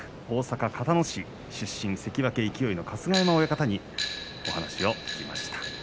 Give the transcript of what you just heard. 大阪・交野市出身関脇勢の春日山親方にお話を聞きました。